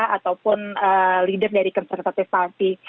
ataupun leader dari konservatif party